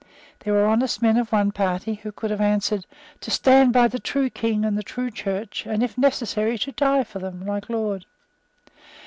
There were honest men of one party who would have answered, To stand by the true King and the true Church, and, if necessary, to die for them like Laud.